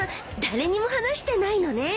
誰にも話してないのねえ。